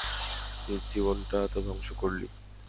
নিজের জীবনটা তো ধ্বংস করলিই।